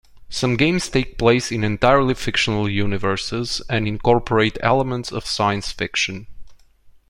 Some games take place in entirely fictional universes, and incorporate elements of science fiction.